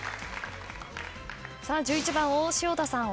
さあ１１番を潮田さん